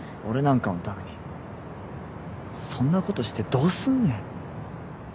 俺なんかのためにそんなことしてどうすんねん。